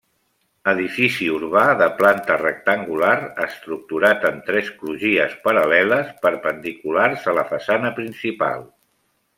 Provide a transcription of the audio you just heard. Edifici urbà de planta rectangular, estructurat en tres crugies paral·leles, perpendiculars a la façana principal.